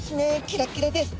キラキラです。